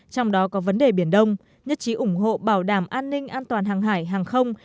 trong đó có vấn đề biển đông nhất trí ủng hộ bảo đảm an ninh an toàn hàng hải hàng không